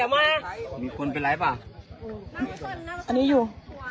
ยังไม่รู้นี่ออกได้มีสติอยู่เค้ามีสติอยู่